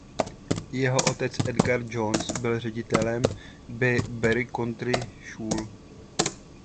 Jeho otec Edgar Jones byl ředitelem Barry County School.